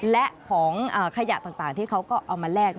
และของขยะต่างที่เขาก็เอามาแลก